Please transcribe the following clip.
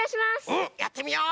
うんやってみよう！